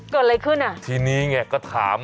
เกิดอะไรขึ้นอ่ะทีนี้ไงก็ถาม